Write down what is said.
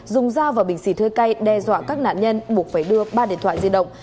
dùng dao và bình xì thơi cây đe dọa các nạn nhân buộc phải đưa ba điện thoại di động